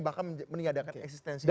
bahkan meningkatkan eksistensinya